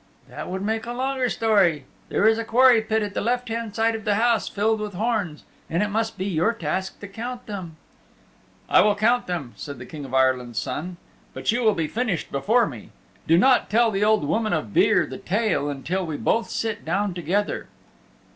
"That would make a longer story. There is a quarry pit at the left hand side of the house filled with horns and it must be your task to count them." "I will count them," said the King of Ireland's Son. "But you will be finished before me. Do not tell the Old Woman of Beare the Tale until we both sit down together."